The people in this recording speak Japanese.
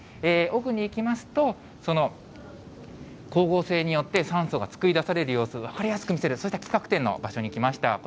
置くに行きますと、その光合成によって酸素が作り出される様子、分かりやすく、そうした企画展の場所に来ました。